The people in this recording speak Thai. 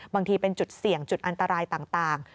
บางทีเป็นจุดเสี่ยงจุดอันตรายต่าง